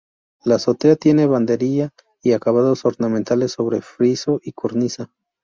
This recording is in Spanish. La azotea tiene barandilla y acabados ornamentales, sobre friso y cornisa.